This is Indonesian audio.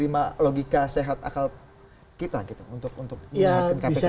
bisa diterima logika sehat akal kita gitu untuk mengingatkan kpk juga